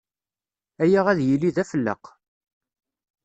Aya ad yili d afelleq.